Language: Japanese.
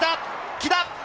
木田！